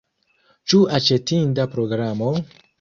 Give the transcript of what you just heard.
Ĉu aĉetinda programo?